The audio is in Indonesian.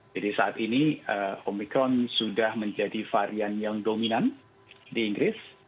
jadi saat ini omikron sudah menjadi varian yang dominan di inggris